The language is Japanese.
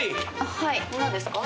はい何ですか？